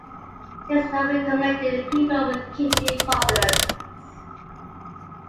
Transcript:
It is not recommended in people with kidney problems.